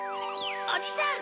おじさん